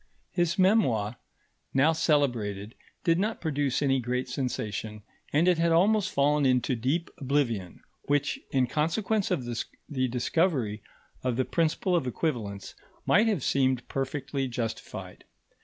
His memoir, now celebrated, did not produce any great sensation, and it had almost fallen into deep oblivion, which, in consequence of the discovery of the principle of equivalence, might have seemed perfectly justified.